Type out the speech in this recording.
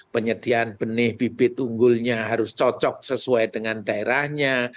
penyediaan benih bibit unggulnya harus cocok sesuai dengan daerahnya